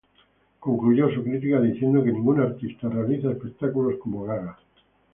Concluyó su crítica diciendo que ningún artista realiza espectáculos como Gaga.